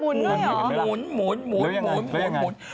หมุนหมุนหมุนหมุน